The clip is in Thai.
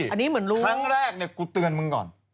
ครั้งแรกเนี่ยกูเตือนมึงก่อน